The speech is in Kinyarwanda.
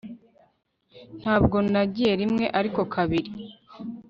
Ntabwo nagiye rimwe ariko kabiri